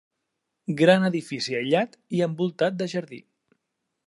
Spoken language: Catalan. Gran edifici aïllat i envoltat de jardí.